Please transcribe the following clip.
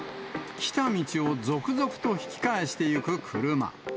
来た道を続々と引き返していく車。